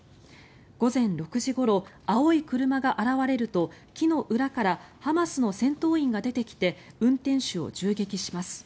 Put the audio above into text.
午前６時ごろ青い車が現れると木の裏からハマスの戦闘員が出てきて運転手を銃撃します。